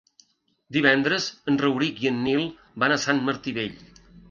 Divendres en Rauric i en Nil van a Sant Martí Vell.